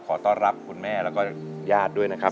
ขอต้อนรับคุณแม่แล้วก็ญาติด้วยนะครับ